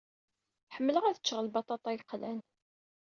Ḥemmleɣ ad ččeɣ lbaṭaṭa yeqlan.